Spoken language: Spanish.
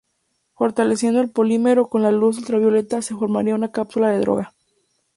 Fortaleciendo el polímero con luz ultravioleta se formaría una cápsula de droga.